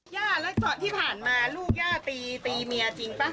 แล้วที่ผ่านมาลูกย่าตีตีเมียจริงป่ะ